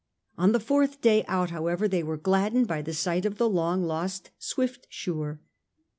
On the fourtji day out^ however, they were gladdened by the sight of the long lost Smftswre.